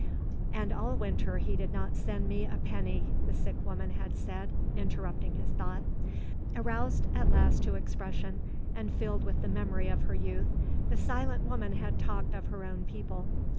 "And all winter he did not send me a penny," the sick woman had said, interrupting his thoughts. Aroused at last to expression, and filled with the memory of her youth, the silent woman had talked of her own people.